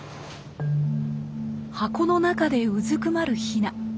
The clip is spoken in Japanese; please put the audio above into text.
箱の中でうずくまるヒナ。